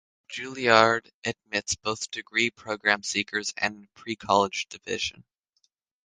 Juilliard admits both degree program seekers and pre-college division.